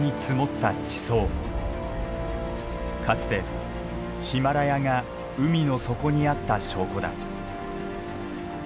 かつてヒマラヤが海の底にあった証拠だ。